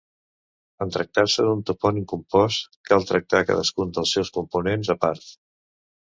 En tractar-se d'un topònim compost, cal tractar cadascun dels seus components a part.